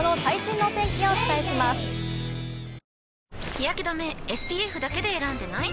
日やけ止めＳＰＦだけで選んでない？